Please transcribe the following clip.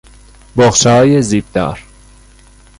بقچه های زیپ دار